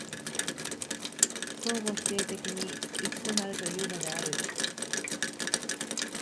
相互否定的に一となるというのである。